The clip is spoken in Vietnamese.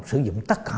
sử dụng tất cả